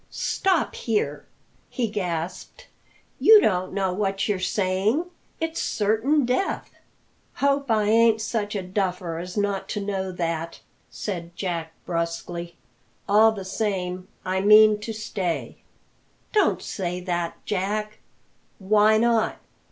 stop here?" he gasped. "You don't know what you're saying it's certain death." "Hope I ain't such a duffer as not to know that," said Jack brusquely. "All the same, I mean to stay." "Don't say that, Jack." "Why not?